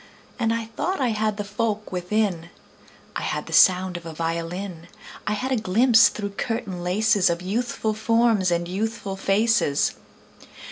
And I thought I had the folk within: I had the sound of a violin; I had a glimpse through curtain laces Of youthful forms and youthful faces.